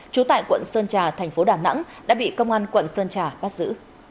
trú tại quận sơn trà thành phố đà nẵng đã bị công an quận sơn trà bắt giữ